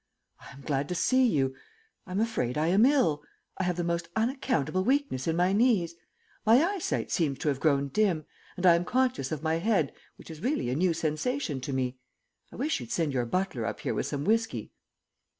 "I am glad to see you. I'm afraid I am ill. I have the most unaccountable weakness in my knees. My eyesight seems to have grown dim, and I am conscious of my head which is really a new sensation to me. I wish you'd send your butler up here with some whiskey."